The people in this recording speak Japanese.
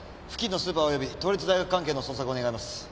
付近のスーパーおよび東律大学関係の捜索を願います。